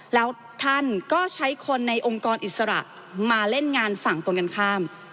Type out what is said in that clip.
แล้วท่านก็ใช้คนในองค์กรอิสระมาเล่นงานฝั่งตรงกันข้าม